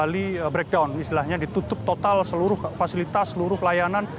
di breakdown istilahnya ditutup total seluruh fasilitas seluruh pelayanan